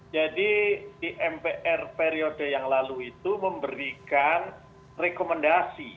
jadi di mpr periode yang lalu itu memberikan rekomendasi